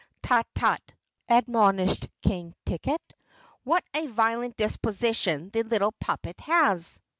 "Tut, tut," admonished King Ticket. "What a violent disposition the little puppet has."